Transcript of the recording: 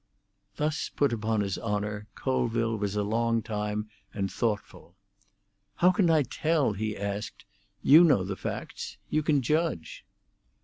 Thus put upon his honour, Colville was a long time thoughtful. "How can I tell?" he asked. "You know the facts; you can judge."